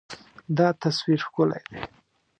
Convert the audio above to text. دا تصویر ښکلی دی.